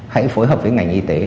hãy phối hợp với ngành y tế